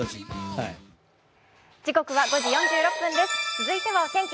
続いてはお天気。